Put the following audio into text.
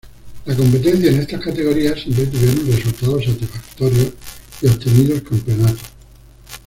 La competencia en estas categorías siempre tuvieron resultados satisfactorios y obtenido campeonatos.